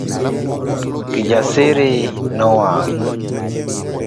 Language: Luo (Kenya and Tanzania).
Kijasiri nowang'.